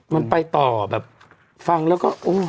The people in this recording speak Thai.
มันไปต่อแบบฟังแล้วก็